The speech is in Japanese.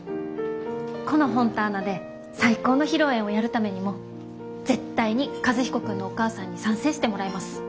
このフォンターナで最高の披露宴をやるためにも絶対に和彦君のお母さんに賛成してもらいます。